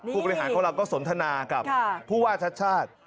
ผู้บริหารของเราก็สนทนากับผู้ว่าชาติชาติ